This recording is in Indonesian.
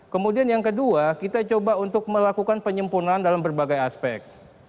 kemudian yang kedua kita coba untuk melakukan penyempurnaan dalam berbagai aspek